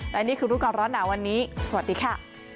และนี่คือรู้ก่อนร้อนหนาวันนี้สวัสดีค่ะ